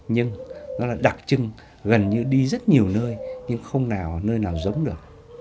nhưng nó là đặc trưng gần như đi rất nhiều nơi nhưng không nào nơi nào giống được